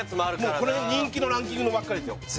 もうこれが人気のランキングのばっかりですよ